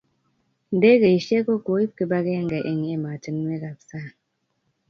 Ndegeishek ko koip kibag'eng'e eng ematinwek ab sang'